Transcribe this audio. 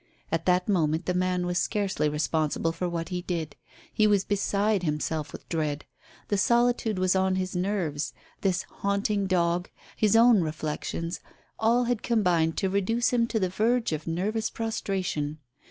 At that moment the man was scarcely responsible for what he did. He was beside himself with dread. The solitude was on his nerves, this haunting dog, his own reflections, all had combined to reduce him to the verge of nervous prostration.